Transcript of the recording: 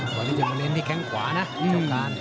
ตอนนี้จะมาเน้นที่แค่งขวานะเกี่ยวกัน